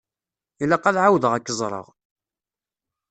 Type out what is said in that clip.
Ilaq ad εawdeɣ ad k-ẓreɣ.